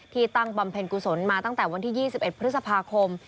ตั้งบำเพ็ญกุศลมาตั้งแต่วันที่๒๑พฤษภาคม